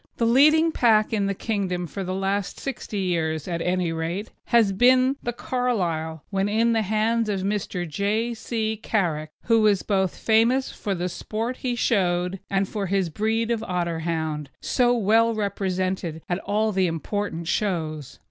The leading pack in the Kingdom for the last sixty years, at any rate, has been the Carlisle when in the hands of Mr. J. C. Carrick, who was famous both for the sport he showed and for his breed of Otterhound, so well represented at all the important shows.